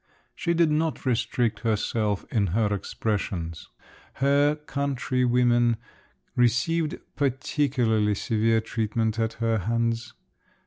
She did not restrict herself in her expressions; her countrywomen received particularly severe treatment at her hands.